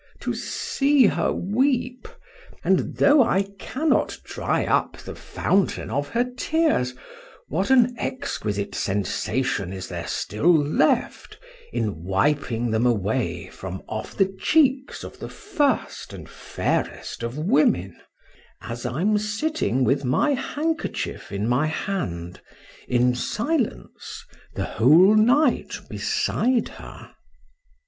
To see her weep! and, though I cannot dry up the fountain of her tears, what an exquisite sensation is there still left, in wiping them away from off the cheeks of the first and fairest of women, as I'm sitting with my handkerchief in my hand in silence the whole night beside her?